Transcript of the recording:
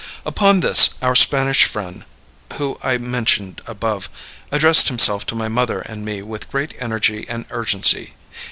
Upon this our Spanish friend, whom I mentioned above, addressed himself to my mother and me with great energy and urgency.